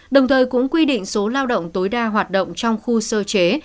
đồng thời cũng quy định số lao động tối đa hoạt động trong khu sơ chế